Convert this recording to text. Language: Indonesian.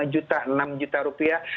lima juta enam juta rupiah